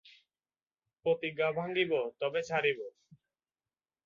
প্রতিজ্ঞা ভাঙিব তবে ছাড়িব।